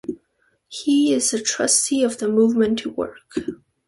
He is a trustee of the Movement to Work.